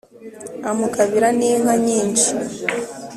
amugabira n'inka nyinshi